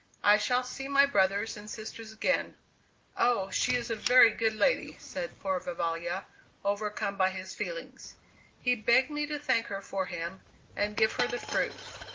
I shall see my brothers and sisters again. Oh, she is a very good lady," said poor Vivalla, overcome by his feelings. He begged me to thank her for him, and give her the fruit.